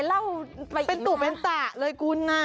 เราไปเป็นตู่เป็นตราเลยคุณ